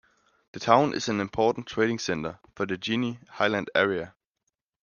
The town is an important trading centre for the Guinea Highlands area.